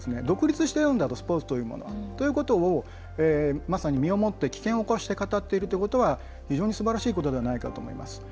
独立しているんだとスポーツというものは。ということをまさに身をもって危険をおかして語っているということは非常にすばらしいことではないかと思います。